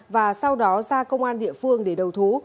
và sau đó ra công an địa phương để đầu thú